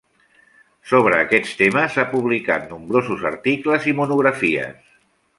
Sobre aquests temes ha publicat nombrosos articles i monografies.